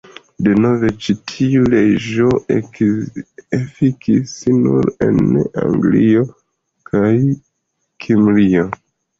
Denove, ĉi tiu leĝo efikis nur en Anglio kaj Kimrio.